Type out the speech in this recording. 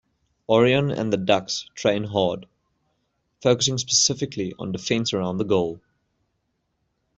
Orion and the Ducks train hard, focusing specifically on defense around the goal.